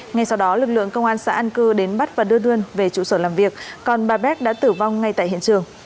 ngay sau đó lực lượng công an xã an cư đến bắt và đưa về trụ sở làm việc còn bà bé đã tử vong ngay tại hiện trường